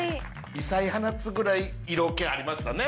異彩放つぐらい色気ありましたね。